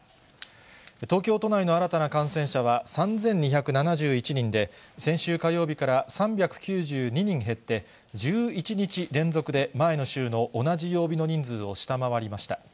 東京都内の新たな感染者は３２７１人で、先週火曜日から３９２人減って、１１日連続で前の週の同じ曜日の人数を下回りました。